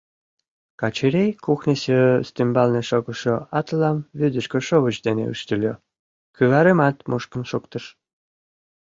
Качырий кухньысо ӱстембалне шогышо атылам вӱдыжгӧ шовыч дене ӱштыльӧ, кӱварымат мушкын шуктыш.